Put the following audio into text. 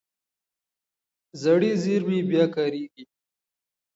زړې زېرمې بیا کارېږي.